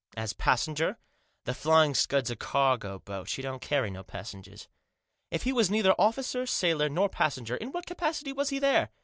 " As passenger ?"" The Flying Scud*s a cargo boat ; she don't carry no passengers." " If he was neither officer, sailor, nor passenger, in what capacity was he there